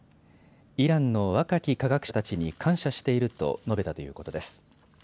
イランの若き科学者たちに感謝していると述べたということです。